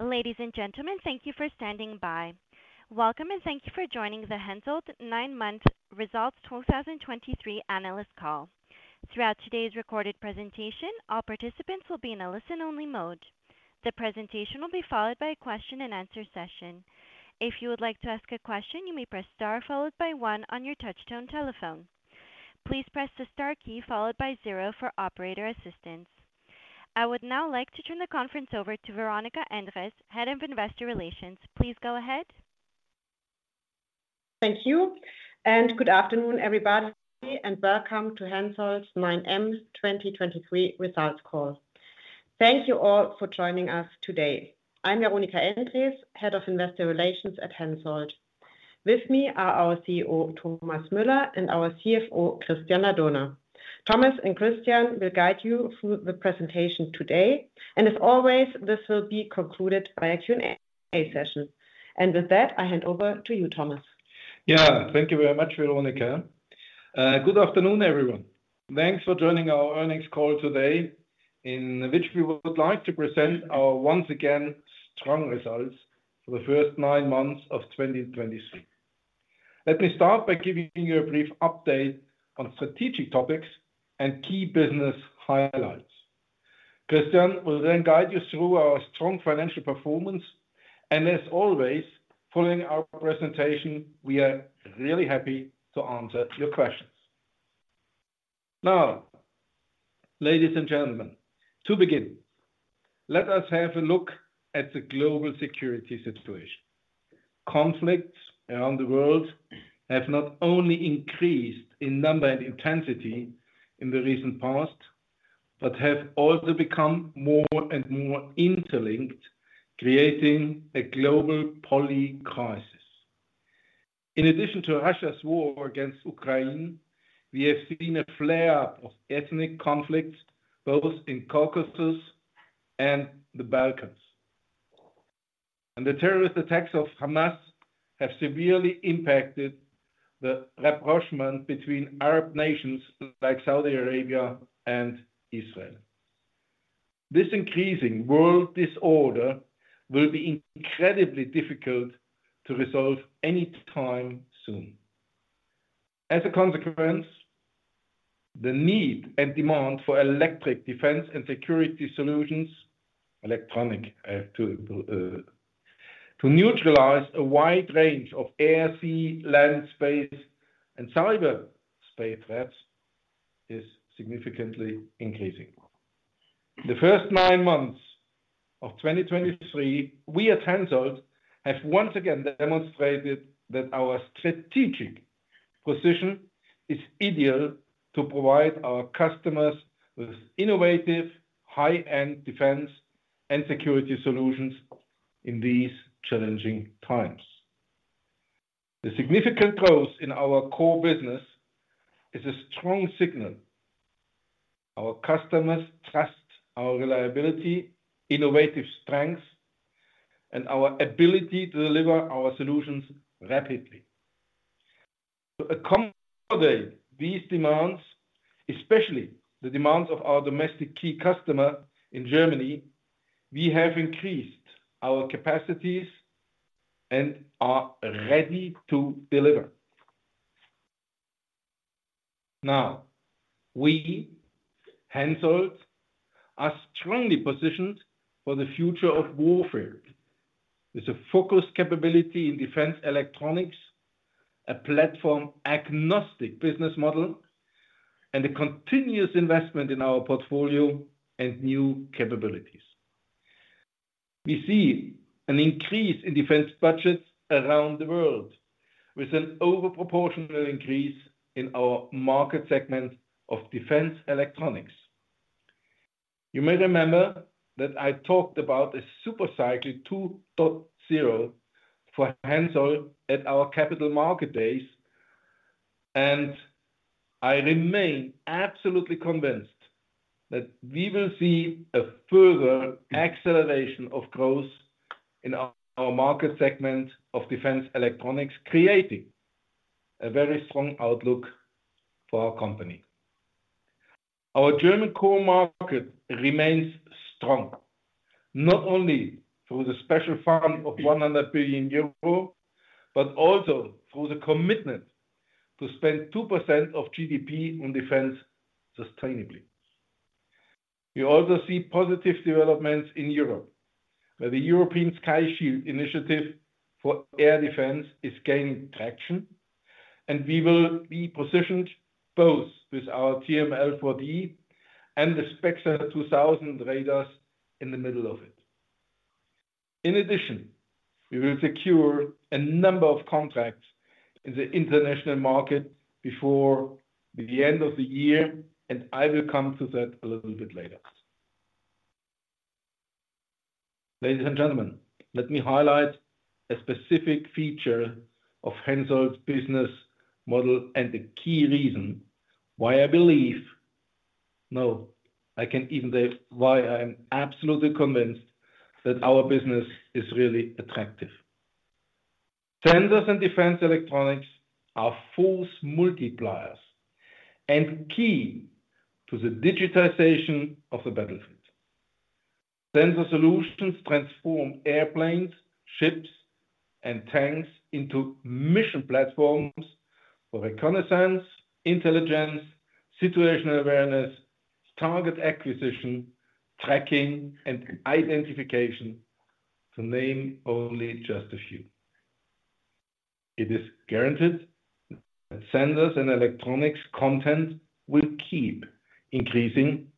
Ladies and gentlemen, thank you for standing by. Welcome, and thank you for joining the HENSOLDT nine-month results 2023 analyst call. Throughout today's recorded presentation, all participants will be in a listen-only mode. The presentation will be followed by a question and answer session. If you would like to ask a question, you may press star followed by one on your touchtone telephone. Please press the star key followed by zero for operator assistance. I would now like to turn the conference over to Veronika Endres, Head of Investor Relations. Please go ahead. Thank you, and good afternoon, everybody, and welcome to HENSOLDT's 9M 2023 results call. Thank you all for joining us today. I'm Veronika Endres, Head of Investor Relations at HENSOLDT. With me are our CEO, Thomas Müller, and our CFO, Christian Ladurner. Thomas and Christian will guide you through the presentation today, and as always, this will be concluded by a Q&A session. With that, I hand over to you, Thomas. Yeah. Thank you very much, Veronika. Good afternoon, everyone. Thanks for joining our earnings call today, in which we would like to present our once again, strong results for the first nine months of 2023. Let me start by giving you a brief update on strategic topics and key business highlights. Christian will then guide you through our strong financial performance, and as always, following our presentation, we are really happy to answer your questions. Now, ladies and gentlemen, to begin, let us have a look at the global security situation. Conflicts around the world have not only increased in number and intensity in the recent past, but have also become more and more interlinked, creating a global polycrisis. In addition to Russia's war against Ukraine, we have seen a flare-up of ethnic conflicts, both in Caucasus and the Balkans. The terrorist attacks of Hamas have severely impacted the rapprochement between Arab nations like Saudi Arabia and Israel. This increasing world disorder will be incredibly difficult to resolve any time soon. As a consequence, the need and demand for electronic defense and security solutions, electronic to neutralize a wide range of air, sea, land, space, and cyberspace threats is significantly increasing. The first nine months of 2023, we at HENSOLDT have once again demonstrated that our strategic position is ideal to provide our customers with innovative, high-end defense and security solutions in these challenging times. The significant growth in our core business is a strong signal. Our customers trust our reliability, innovative strengths, and our ability to deliver our solutions rapidly. To accommodate these demands, especially the demands of our domestic key customer in Germany, we have increased our capacities and are ready to deliver. Now, we, HENSOLDT, are strongly positioned for the future of warfare. With a focused capability in defense electronics, a platform-agnostic business model, and a continuous investment in our portfolio and new capabilities. We see an increase in defense budgets around the world, with an overproportional increase in our market segment of defense electronics. You may remember that I talked about a super cycle 2.0 for HENSOLDT at our Capital Markets Day, and I remain absolutely convinced that we will see a further acceleration of growth in our, our market segment of defense electronics, creating a very strong outlook for our company. Our German core market remains strong, not only through the special fund of 100 billion euro, but also through the commitment to spend 2% of GDP on defense sustainably. We also see positive developments in Europe, where the European Sky Shield Initiative for air defense is gaining traction, and we will be positioned both with our TRML-4D and the SPEXER 2000 radars in the middle of it. In addition, we will secure a number of contracts in the international market before the end of the year, and I will come to that a little bit later. Ladies and gentlemen, let me highlight a specific feature of HENSOLDT's business model and the key reason why I believe- no, I can even say why I am absolutely convinced that our business is really attractive.... Sensors and defense electronics are force multipliers and key to the digitization of the battlefield. Sensor solutions transform airplanes, ships, and tanks into mission platforms for reconnaissance, intelligence, situational awareness, target acquisition, tracking, and identification, to name only just a few. It is guaranteed that sensors and electronics content will keep increasing,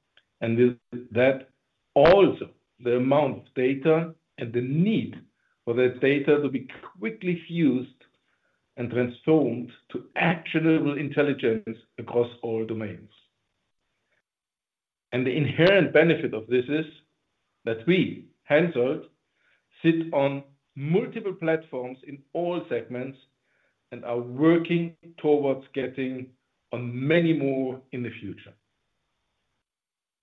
and with that, also the amount of data and the need for that data to be quickly fused and transformed to actionable intelligence across all domains. The inherent benefit of this is that we, HENSOLDT, sit on multiple platforms in all segments and are working towards getting on many more in the future.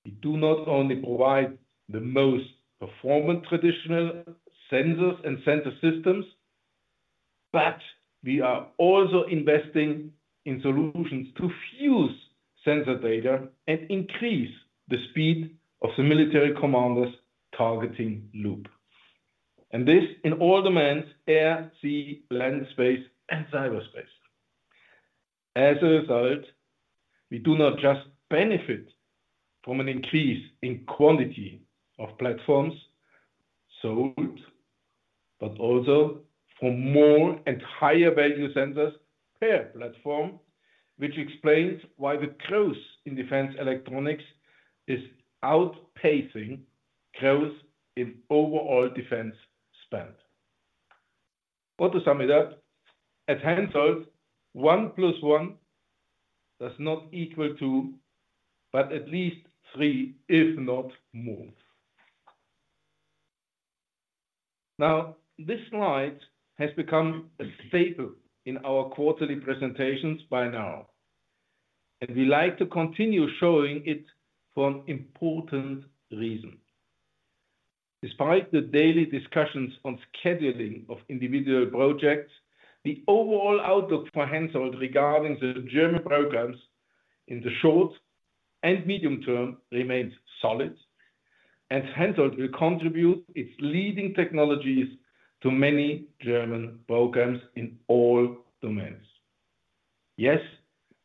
We do not only provide the most performant traditional sensors and sensor systems, but we are also investing in solutions to fuse sensor data and increase the speed of the military commander's targeting loop, and this in all domains: air, sea, land, space, and cyberspace. As a result, we do not just benefit from an increase in quantity of platforms sold, but also from more and higher value sensors per platform, which explains why the growth in defense electronics is outpacing growth in overall defense spend. But to sum it up, at HENSOLDT, one plus one does not equal two, but at least three, if not more. Now, this slide has become a staple in our quarterly presentations by now, and we like to continue showing it for an important reason. Despite the daily discussions on scheduling of individual projects, the overall outlook for HENSOLDT regarding the German programs in the short and medium term remains solid, and HENSOLDT will contribute its leading technologies to many German programs in all domains. Yes,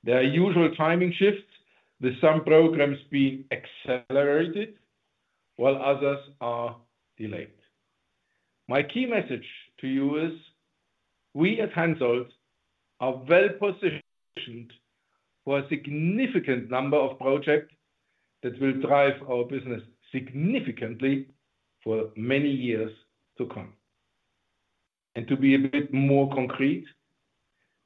there are usual timing shifts, with some programs being accelerated while others are delayed. My key message to you is, we at HENSOLDT are well-positioned for a significant number of projects that will drive our business significantly for many years to come. And to be a bit more concrete,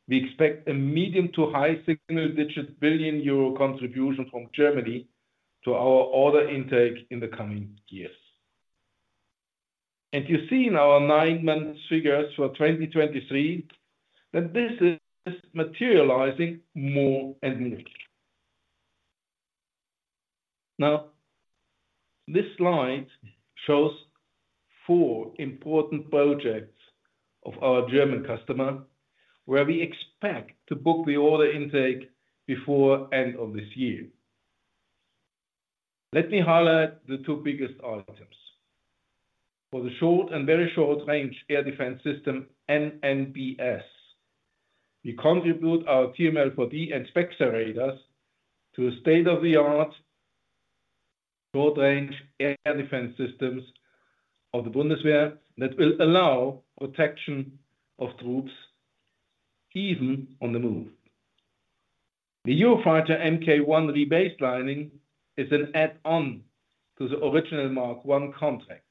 we expect a medium- to high single-digit billion EUR contribution from Germany to our order intake in the coming years. And you see in our nine-month figures for 2023, that this is materializing more and more. Now, this slide shows four important projects of our German customer, where we expect to book the order intake before end of this year. Let me highlight the two biggest items. For the short and very short-range air defense system, NNbS, we contribute our TRML-4D and SPEXER radars to a state-of-the-art short-range air defense systems of the Bundeswehr that will allow protection of troops even on the move. The Eurofighter Mk1 rebaselining is an add-on to the original Mk1 contract,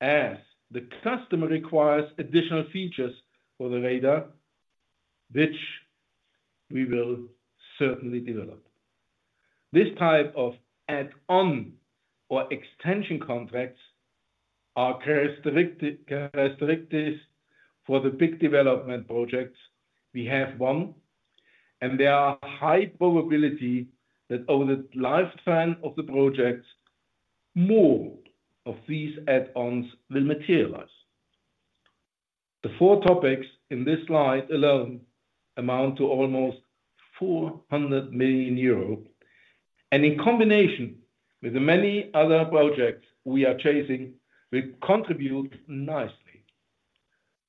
as the customer requires additional features for the radar, which we will certainly develop. This type of add-on or extension contracts are characteristic, characteristics for the big development projects. We have one, and there are high probability that over the lifespan of the projects, more of these add-ons will materialize. The four topics in this slide alone amount to almost 400 million euro, and in combination with the many other projects we are chasing, will contribute nicely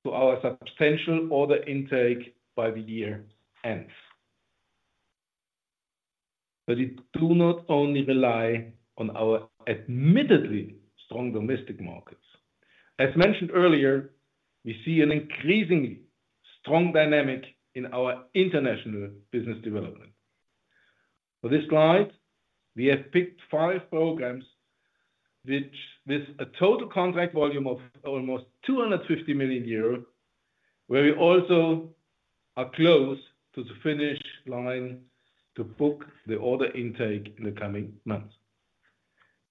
to our substantial order intake by the year end. We do not only rely on our admittedly strong domestic markets. As mentioned earlier, we see an increasingly strong dynamic in our international business development. For this slide, we have picked five programs, which, with a total contract volume of almost 250 million euros, where we also are close to the finish line to book the order intake in the coming months.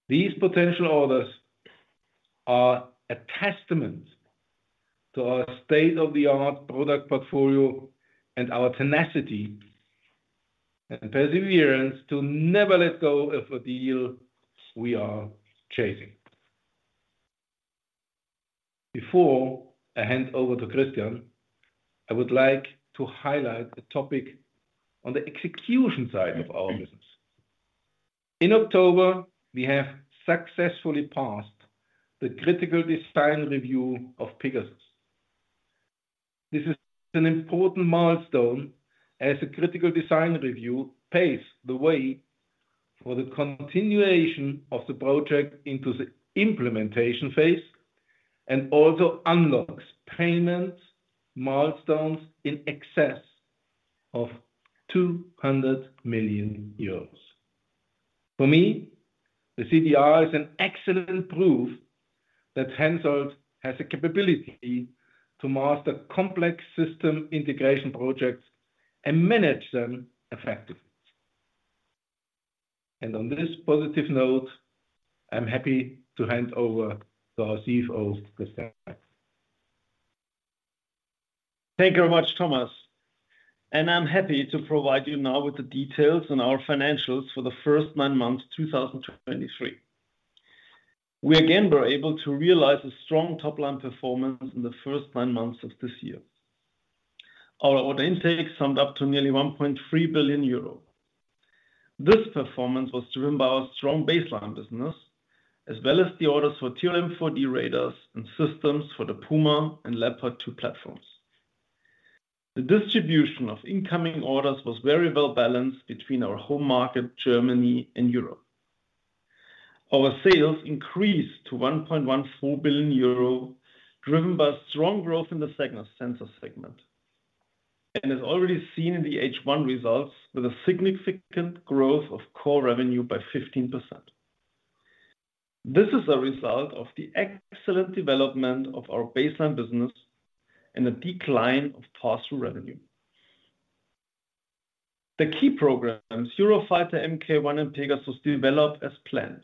These potential orders are a testament to our state-of-the-art product portfolio and our tenacity and perseverance to never let go of a deal we are chasing. Before I hand over to Christian, I would like to highlight a topic on the execution side of our business. In October, we have successfully passed the critical design review of Pegasus. This is an important milestone as a critical design review paves the way for the continuation of the project into the implementation phase, and also unlocks payment milestones in excess of 200 million euros. For me, the CDR is an excellent proof that Hensoldt has the capability to master complex system integration projects and manage them effectively. On this positive note, I'm happy to hand over to our CFO, Christian. Thank you very much, Thomas, and I'm happy to provide you now with the details on our financials for the first nine months of 2023. We again were able to realize a strong top-line performance in the first nine months of this year. Our order intake summed up to nearly 1.3 billion euro. This performance was driven by our strong baseline business, as well as the orders for TRML-4D radars and systems for the Puma and Leopard 2 platforms. The distribution of incoming orders was very well balanced between our home market, Germany, and Europe. Our sales increased to 1.14 billion euro, driven by strong growth in the Sensors segment, and is already seen in the H1 results with a significant growth of core revenue by 15%. This is a result of the excellent development of our baseline business and a decline of pass-through revenue. The key programs, Eurofighter Mk1 and Pegasus, developed as planned,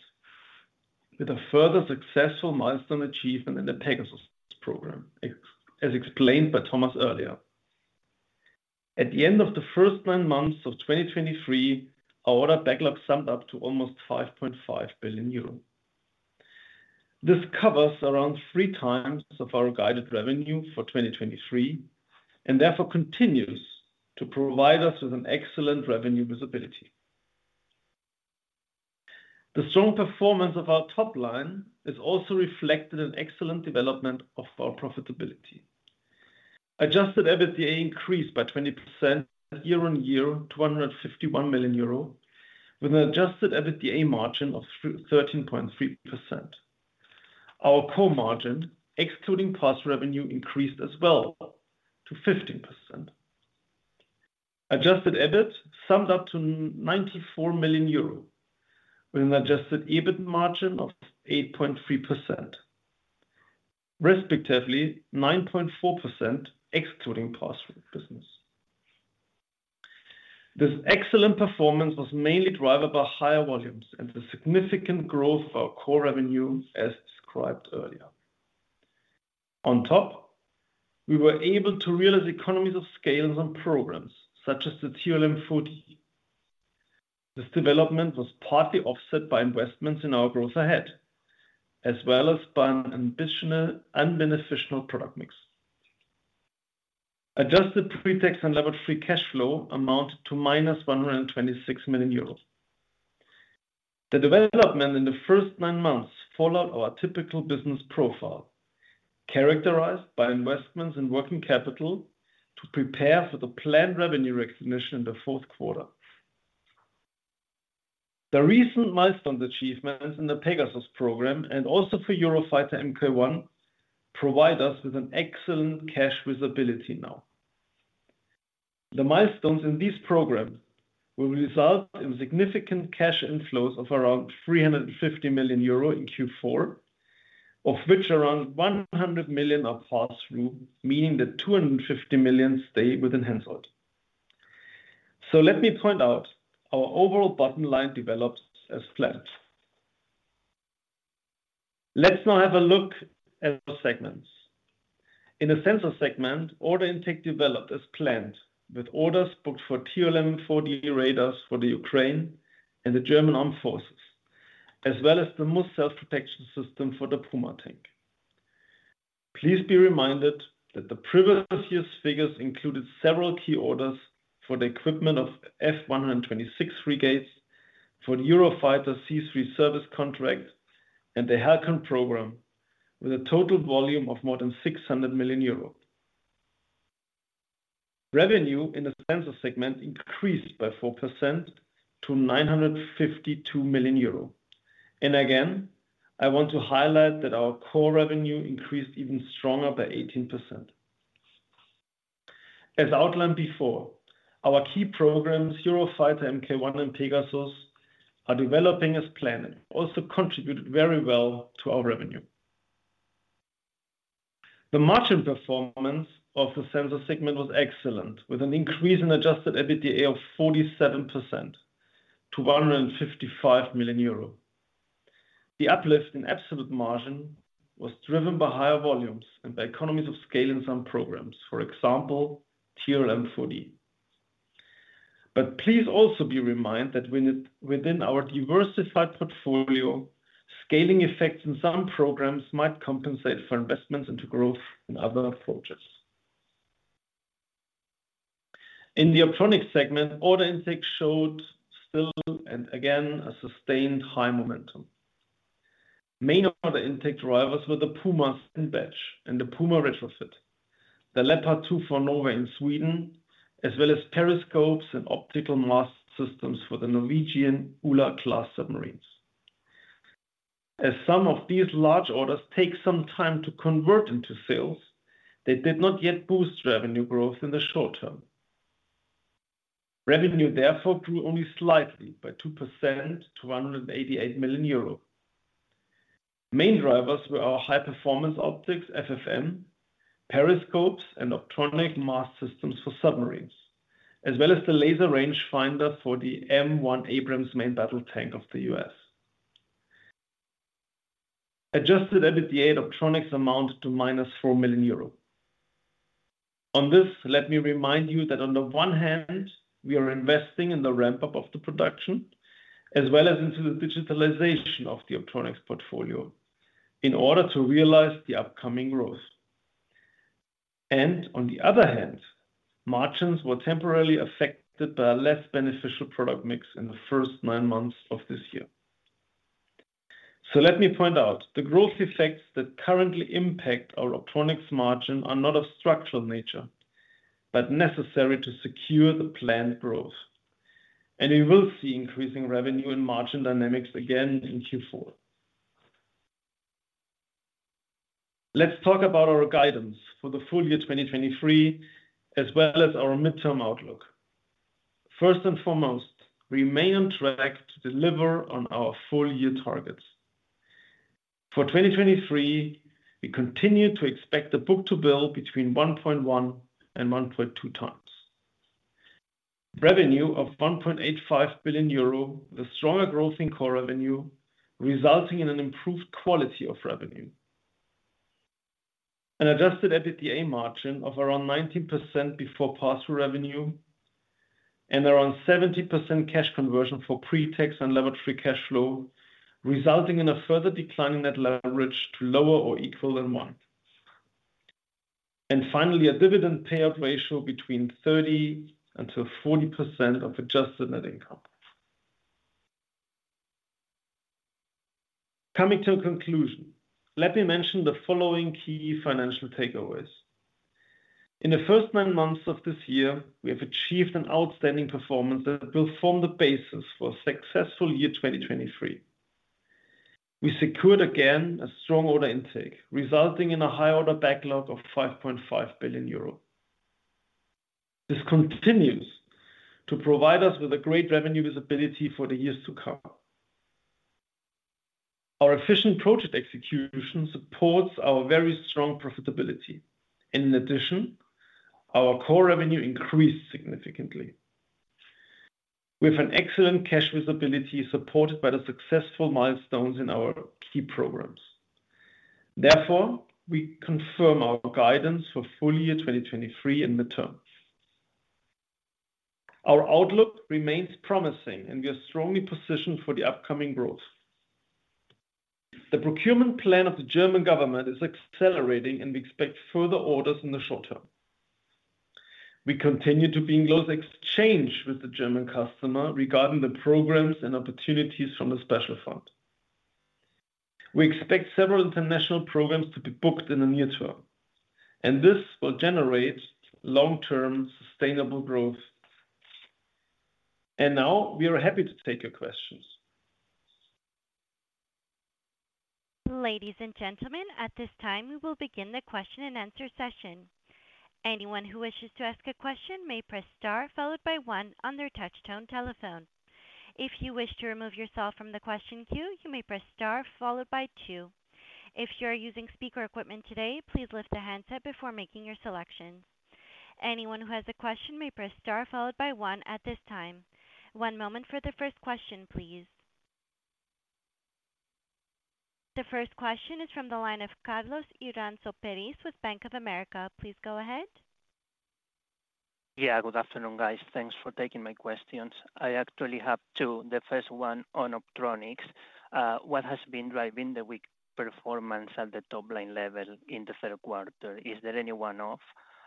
with a further successful milestone achievement in the Pegasus program, as explained by Thomas earlier. At the end of the first nine months of 2023, our order backlog summed up to almost 5.5 billion euro. This covers around three times of our guided revenue for 2023, and therefore continues to provide us with an excellent revenue visibility. The strong performance of our top line is also reflected in excellent development of our profitability. Adjusted EBITDA increased by 20% year-on-year to 151 million euro, with an adjusted EBITDA margin of 13.3%. Our core margin, excluding pass revenue, increased as well to 15%. Adjusted EBIT summed up to 94 million euro, with an adjusted EBIT margin of 8.3%, respectively 9.4%, excluding pass-through business. This excellent performance was mainly driven by higher volumes and the significant growth of our core revenue, as described earlier. On top, we were able to realize economies of scale on programs such as the TRML-4D. This development was partly offset by investments in our growth ahead, as well as by an ambitious and beneficial product mix. Adjusted pre-tax and lever-free cash flow amounted to -126 million euros. The development in the first nine months followed our typical business profile, characterized by investments in working capital to prepare for the planned revenue recognition in the fourth quarter. The recent milestone achievements in the Pegasus program, and also for Eurofighter Mk1, provide us with an excellent cash visibility now. The milestones in these programs will result in significant cash inflows of around 350 million euro in Q4, of which around 100 million are pass-through, meaning that 250 million stay within HENSOLDT. So let me point out, our overall bottom line developed as planned. Let's now have a look at the segments. In the Sensors segment, order intake developed as planned, with orders booked for TRML-4D radars for Ukraine and the German Armed Forces, as well as the MUSS Self-Protection System for the Puma tank. Please be reminded that the previous year's figures included several key orders for the equipment of F126 frigates for the Eurofighter C3 service contract and the HALCON program, with a total volume of more than 600 million euros. Revenue in the Sensors segment increased by 4% to 952 million euro. And again, I want to highlight that our core revenue increased even stronger by 18%. As outlined before, our key programs, Eurofighter Mk1 and Pegasus, are developing as planned, and also contributed very well to our revenue. The margin performance of the Sensors segment was excellent, with an increase in adjusted EBITDA of 47% to 155 million euro. The uplift in absolute margin was driven by higher volumes and by economies of scale in some programs, for example, TRML-4D. But please also be reminded that within our diversified portfolio, scaling effects in some programs might compensate for investments into growth in other projects. In the Optronics segment, order intake showed still and again, a sustained high momentum. Main order intake drivers were the Puma batch and the Puma retrofit, the Leopard 2 for Norway and Sweden, as well as periscopes and optronic mast systems for the Norwegian Ula-class submarines. As some of these large orders take some time to convert into sales, they did not yet boost revenue growth in the short term. Revenue, therefore, grew only slightly by 2% to 188 million euros. Main drivers were our high-performance optics, FFM, periscopes, and optronic mast systems for submarines, as well as the laser range finder for the M1 Abrams main battle tank of the U.S. Adjusted EBITDA Optronics amount to -4 million euro. On this, let me remind you that on the one hand, we are investing in the ramp-up of the production, as well as into the digitalization of the Optronics portfolio in order to realize the upcoming growth. And on the other hand, margins were temporarily affected by a less beneficial product mix in the first nine months of this year. So let me point out, the growth effects that currently impact our Optronics margin are not of structural nature, but necessary to secure the planned growth. And we will see increasing revenue and margin dynamics again in Q4. Let's talk about our guidance for the full year 2023, as well as our midterm outlook. First and foremost, we remain on track to deliver on our full-year targets. For 2023, we continue to expect the book-to-bill between 1.1 and 1.2x. Revenue of 1.85 billion euro, with stronger growth in core revenue, resulting in an improved quality of revenue. An adjusted EBITDA margin of around 19% before pass-through revenue, and around 70% cash conversion for pre-tax and lever-free cash flow, resulting in a further decline in net leverage to lower or equal to 1. Finally, a dividend payout ratio between 30%-40% of adjusted net income. Coming to a conclusion, let me mention the following key financial takeaways. In the first nine months of this year, we have achieved an outstanding performance that will form the basis for a successful year, 2023. We secured, again, a strong order intake, resulting in a high order backlog of 5.5 billion euro. This continues to provide us with a great revenue visibility for the years to come. Our efficient project execution supports our very strong profitability. In addition, our core revenue increased significantly. We have an excellent cash visibility, supported by the successful milestones in our key programs. Therefore, we confirm our guidance for full year 2023 in the term. Our outlook remains promising, and we are strongly positioned for the upcoming growth. The procurement plan of the German government is accelerating, and we expect further orders in the short term. We continue to be in close exchange with the German customer regarding the programs and opportunities from the special fund. We expect several international programs to be booked in the near term, and this will generate long-term, sustainable growth. Now we are happy to take your questions. Ladies and gentlemen, at this time, we will begin the question and answer session. Anyone who wishes to ask a question may press star, followed by one on their touch-tone telephone. If you wish to remove yourself from the question queue, you may press star followed by two. If you are using speaker equipment today, please lift the handset before making your selection. Anyone who has a question may press star, followed by one at this time. One moment for the first question, please. The first question is from the line of Carlos Iranzo Peris with Bank of America. Please go ahead. Yeah, good afternoon, guys. Thanks for taking my questions. I actually have two. The first one on Optronics. What has been driving the weak performance at the top-line level in the third quarter? Is there any one-off?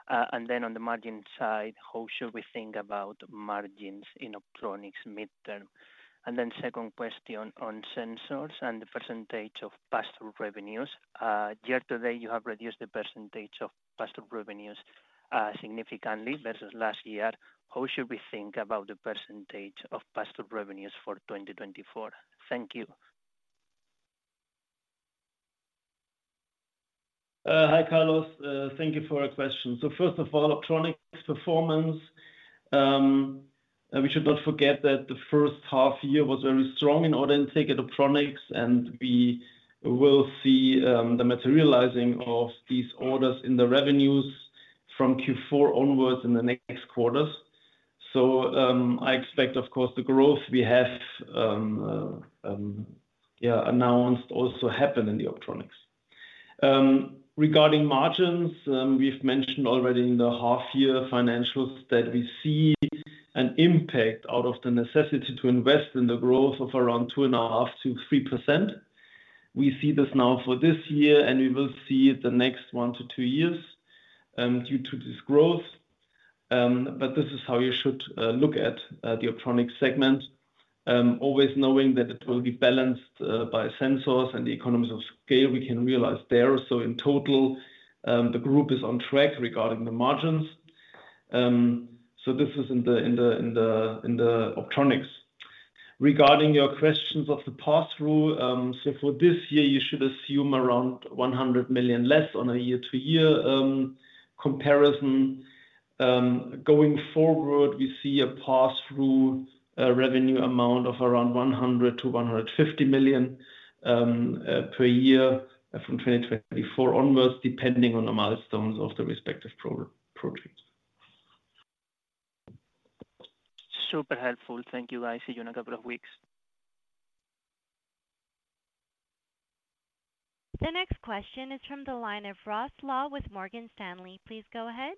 And then on the margin side, how should we think about margins in Optronics midterm? And then second question on sensors and the percentage of pass-through revenues. Year to date, you have reduced the percentage of pass-through revenues significantly versus last year. How should we think about the percentage of pass-through revenues for 2024? Thank you. Hi, Carlos. Thank you for your question. So first of all, Optronics performance. We should not forget that the first half year was very strong in order intake at Optronics, and we will see the materializing of these orders in the revenues from Q4 onwards in the next quarters. So, I expect, of course, the growth we have announced also happen in the Optronics. Regarding margins, we've mentioned already in the half year financials that we see an impact out of the necessity to invest in the growth of around 2.5%-3%. We see this now for this year, and we will see it the next one to two years due to this growth. But this is how you should look at the Optronics segment, always knowing that it will be balanced by sensors and the economies of scale we can realize there. So in total, the group is on track regarding the margins. So this is in the Optronics. Regarding your questions of the pass-through, so for this year, you should assume around 100 million less on a year-to-year comparison. Going forward, we see a pass-through revenue amount of around 100 million-150 million per year from 2024 onwards, depending on the milestones of the respective projects. Super helpful. Thank you. I see you in a couple of weeks. The next question is from the line of Ross Law with Morgan Stanley. Please go ahead.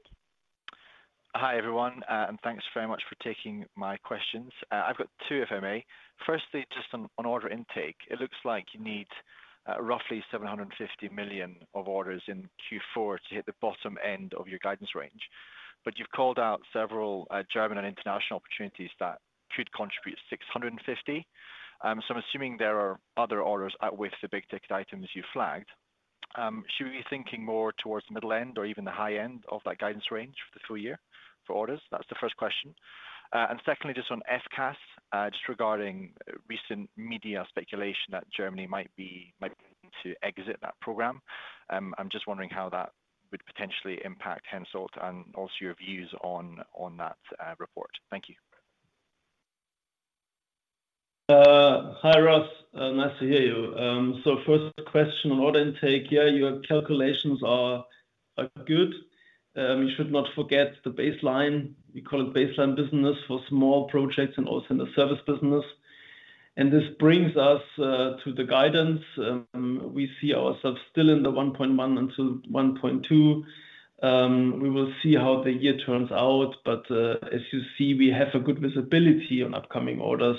Hi, everyone, and thanks very much for taking my questions. I've got two, if I may. Firstly, just on order intake, it looks like you need roughly 750 million of orders in Q4 to hit the bottom end of your guidance range. But you've called out several German and international opportunities that could contribute 650 million. So I'm assuming there are other orders out with the big-ticket items you flagged. Should we be thinking more towards the middle end or even the high end of that guidance range for the full year for orders? That's the first question. And secondly, just on FCAS, just regarding recent media speculation that Germany might be to exit that program. I'm just wondering how that would potentially impact HENSOLDT and also your views on that report? Thank you. Hi, Ross. Nice to hear you. So first question on order intake, yeah, your calculations are good. You should not forget the baseline. We call it baseline business for small projects and also in the service business. And this brings us to the guidance. We see ourselves still in the 1.1-1.2. We will see how the year turns out, but as you see, we have a good visibility on upcoming orders.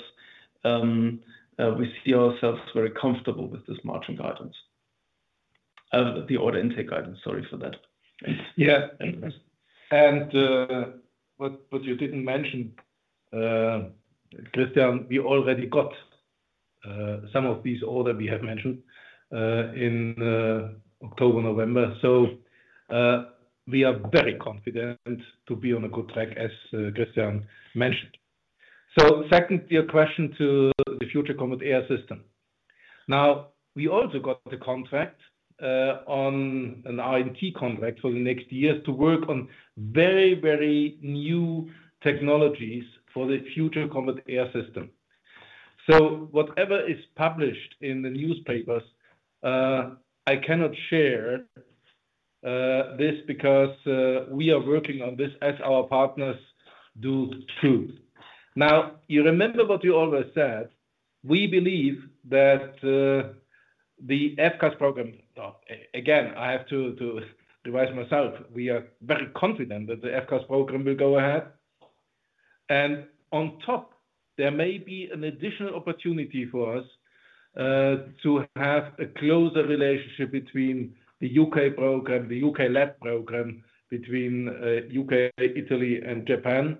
We see ourselves very comfortable with this margin guidance. The order intake guidance, sorry for that. Yeah. And what you didn't mention, Christian, we already got some of these order we have mentioned in October, November. So we are very confident to be on a good track, as Christian mentioned. So secondly, your question to the Future Combat Air System. Now, we also got the contract on an R&D contract for the next years to work on very, very new technologies for the Future Combat Air System. So whatever is published in the newspapers, I cannot share this because we are working on this as our partners do too. Now, you remember what you always said: We believe that the FCAS program. Again, I have to revise myself, we are very confident that the FCAS program will go ahead. On top, there may be an additional opportunity for us to have a closer relationship between the UK program, the UK lab program, between U.K., Italy, and Japan,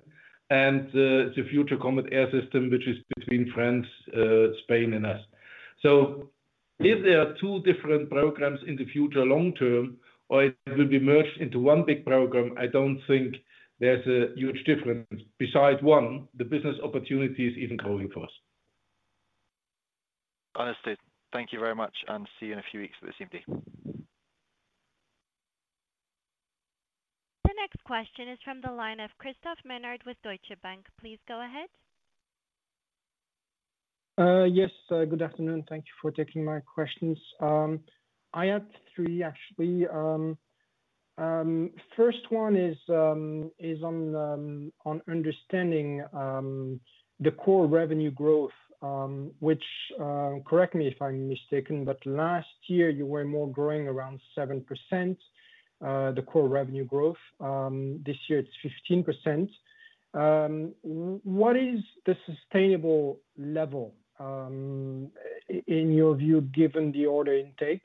and the Future Combat Air System, which is between France, Spain and us. So if there are two different programs in the future, long term, or it will be merged into one big program, I don't think there's a huge difference. Besides one, the business opportunity is even growing for us. Understood. Thank you very much, and see you in a few weeks at the CMD. The next question is from the line of Christophe Menard with Deutsche Bank. Please go ahead. Yes. Good afternoon. Thank you for taking my questions. I had three, actually. First one is on understanding the core revenue growth, which, correct me if I'm mistaken, but last year you were growing around 7% the core revenue growth. This year it's 15%. What is the sustainable level, in your view, given the order intake?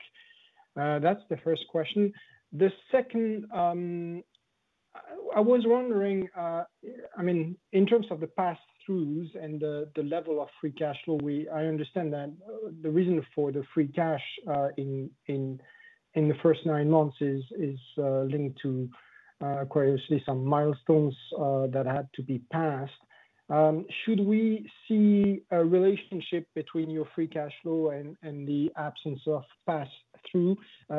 That's the first question. The second, I was wondering, I mean, in terms of the pass-throughs and the level of free cash flow, I understand that the reason for the free cash in the first nine months is linked to, curiously, some milestones that had to be passed. Should we see a relationship between your free cash flow and the absence of pass-through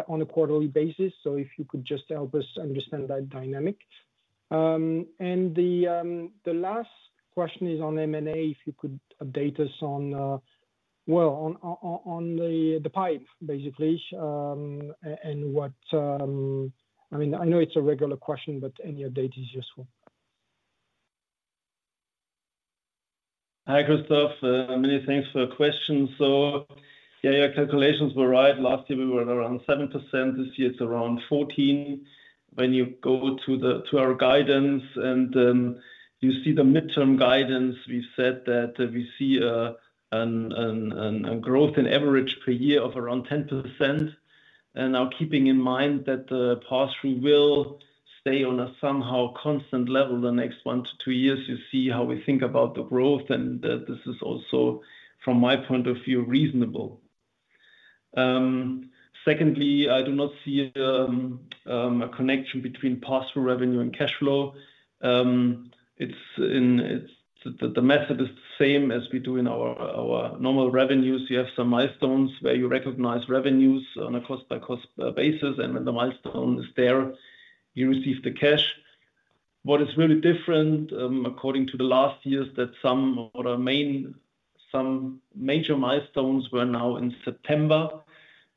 on a quarterly basis? So if you could just help us understand that dynamic. And the last question is on M&A, if you could update us on, well, on the pipe, basically. And what, I mean, I know it's a regular question, but any update is useful. Hi, Christophe. Many thanks for the question. So yeah, your calculations were right. Last year, we were at around 7%, this year it's around 14. When you go to our guidance and you see the midterm guidance, we said that we see a growth in average per year of around 10%. Now keeping in mind that the pass-through will stay on a somehow constant level the next one to two years, you see how we think about the growth, and this is also, from my point of view, reasonable. Secondly, I do not see a connection between pass-through revenue and cash flow. It's the method is the same as we do in our normal revenues. You have some milestones where you recognize revenues on a cost-by-cost basis, and when the milestone is there, you receive the cash. What is really different, according to the last years, that some of our main, some major milestones were now in September.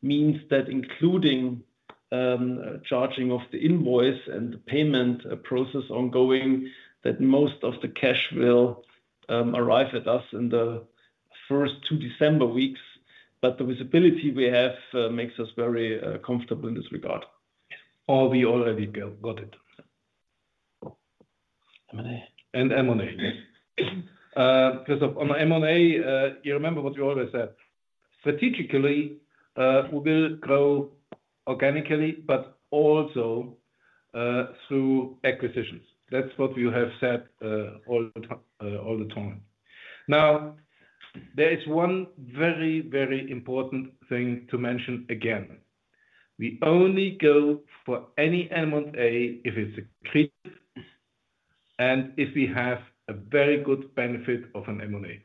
Means that including, charging of the invoice and the payment process ongoing, that most of the cash will arrive at us in the first two December weeks. But the visibility we have makes us very comfortable in this regard, or we already got it. M&A? And M&A. Christophe, on M&A, you remember what we always said, strategically, we will grow organically, but also, through acquisitions. That's what we have said, all the time. Now, there is one very, very important thing to mention again. We only go for any M&A, if it's a critical, and if we have a very good benefit of an M&A.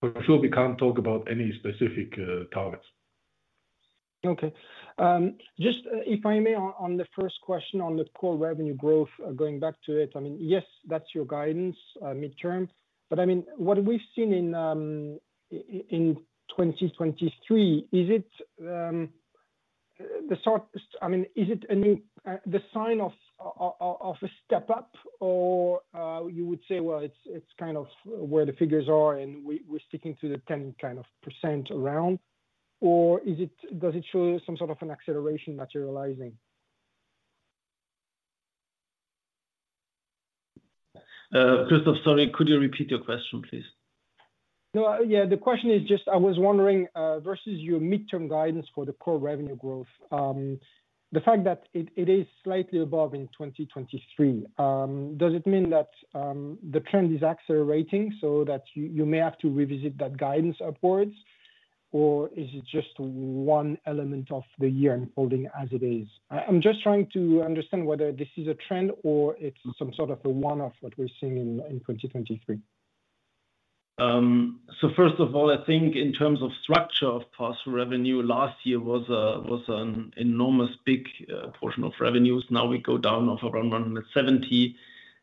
For sure, we can't talk about any specific targets. Okay. Just, if I may, on the first question, on the core revenue growth, going back to it, I mean, yes, that's your guidance, midterm. But I mean, what we've seen in 2023, is it the sort... I mean, is it a new sign of a step up? Or you would say, well, it's kind of where the figures are, and we're sticking to the 10% around? Or does it show some sort of an acceleration materializing? Christophe, sorry, could you repeat your question, please? No, yeah, the question is just, I was wondering versus your midterm guidance for the core revenue growth, the fact that it is slightly above in 2023, does it mean that the trend is accelerating so that you may have to revisit that guidance upwards? Or is it just one element of the year unfolding as it is? I'm just trying to understand whether this is a trend or it's some sort of a one-off that we're seeing in 2023. First of all, I think in terms of structure of pass-through revenue, last year was an enormous, big portion of revenues. Now we go down of around 170,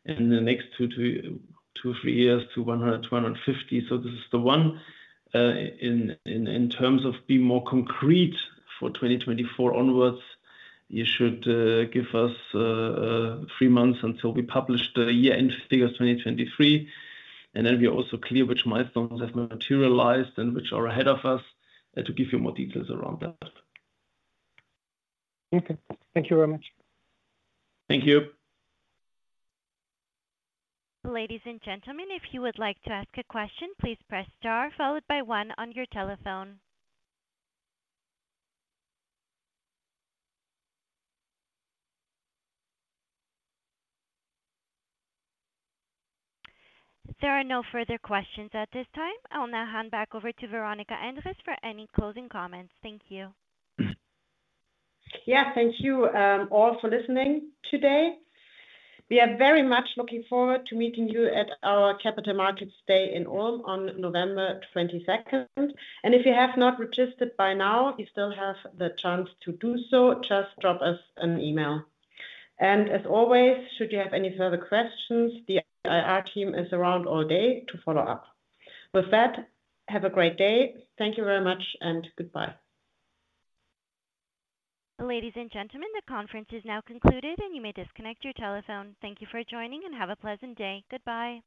in the next two to three years to 100-150. This is the one. In terms of being more concrete for 2024 onwards, you should give us three months until we publish the year-end figures 2023, and then we are also clear which milestones have materialized and which are ahead of us to give you more details around that. Okay. Thank you very much. Thank you. Ladies and gentlemen, if you would like to ask a question, please press Star, followed by One on your telephone. There are no further questions at this time. I'll now hand back over to Veronika Endres for any closing comments. Thank you. Yeah. Thank you, all for listening today. We are very much looking forward to meeting you at our Capital Markets Day in Ulm on November 22nd. If you have not registered by now, you still have the chance to do so. Just drop us an email. As always, should you have any further questions, the IR team is around all day to follow up. With that, have a great day. Thank you very much, and goodbye. Ladies and gentlemen, the conference is now concluded, and you may disconnect your telephone. Thank you for joining, and have a pleasant day. Goodbye.